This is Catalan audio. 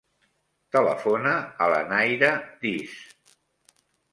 Telefona a la Nayra Diz.